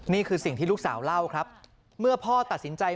นี่คือสิ่งที่ลูกสาวเล่าครับเมื่อพ่อตัดสินใจ